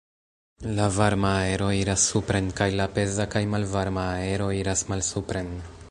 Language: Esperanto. La varma aero iras supren kaj la peza kaj malvarma aero iras malsupren.